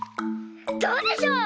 どうでしょう？